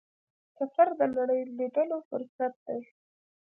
سفر د نړۍ لیدلو فرصت دی.